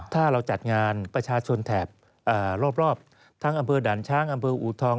ถ้าเราจัดงานประชาชนแถบรอบทั้งอำเภอด่านช้างอำเภออูทอง